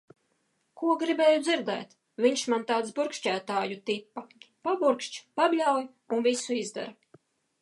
Ko gribēju dzirdēt. Viņš man tāds brukšķētāju tipa- paburkšķ, pabļauj un visu izdara.